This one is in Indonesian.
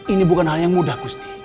ini bukan hal yang mudah gusti